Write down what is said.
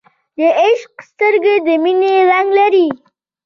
د عاشق سترګې د مینې رنګ لري